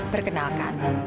perkenalkan saya nek